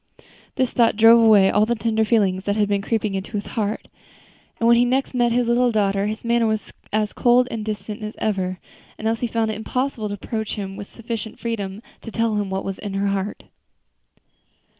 This thought drove away all the tender feeling that had been creeping into his heart; and when he next met his little daughter, his manner was as cold and distant as ever, and Elsie found it impossible to approach him with sufficient freedom to tell him what was in her heart.